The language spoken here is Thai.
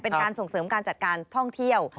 เป็นการส่งเสริมการจัดการท่องเที่ยว